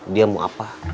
dia mau apa